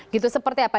gitu seperti apa